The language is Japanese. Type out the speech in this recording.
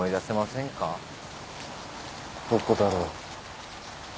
どこだろう。